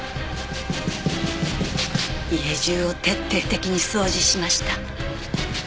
家中を徹底的に掃除しました。